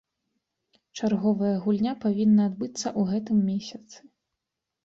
Чарговая гульня павінна адбыцца ў гэтым месяцы.